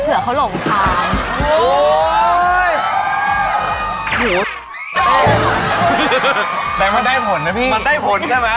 ผู้หญิงเขารู้สึกกลัว